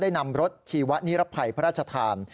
ได้นำรถชีวนิรภัยพระราชธรรม